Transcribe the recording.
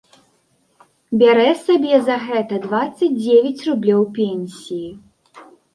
Бярэ сабе за гэта дваццаць дзевяць рублёў пенсіі.